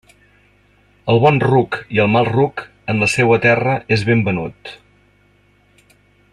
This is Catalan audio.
El bon ruc i el mal ruc, en la seua terra és ben venut.